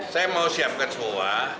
saya mau siapkan semua